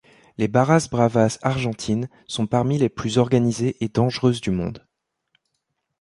Les barras bravas argentines sont parmi les plus organisées et dangereuses du monde.